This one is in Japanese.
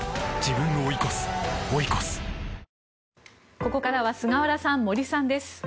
ここからは菅原さん、森さんです。